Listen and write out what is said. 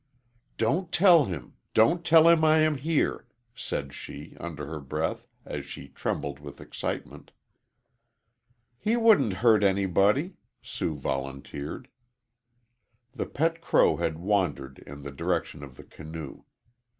"Don't tell him don't tell him I am here," said she, under her breath, as she trembled with excitement. "He wouldn't hurt anybody," Sue volunteered. The pet crow had wandered in the direction of the canoe.